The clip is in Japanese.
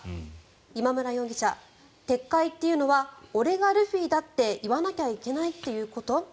今村容疑者、撤回っていうのは俺がルフィだって言わなきゃいけないっていうこと？